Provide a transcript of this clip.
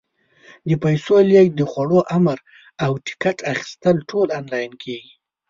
د پیسو لېږد، د خوړو امر، او ټکټ اخیستل ټول آنلاین کېږي.